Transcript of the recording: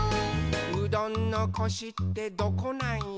「うどんのコシってどこなんよ？」